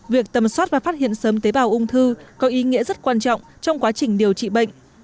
việc tầm soát và phát hiện sớm tế bào ung thư có ý nghĩa rất quan trọng trong quá trình điều trị bệnh